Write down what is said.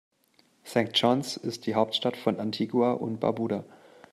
St. John’s ist die Hauptstadt von Antigua und Barbuda.